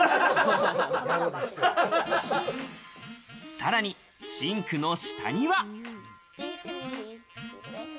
さらにシンクの下には。